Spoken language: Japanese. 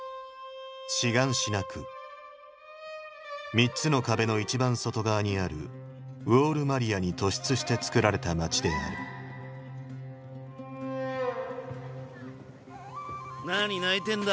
３つの壁の一番外側にある「ウォール・マリア」に突出して作られた街であるなに泣いてんだ？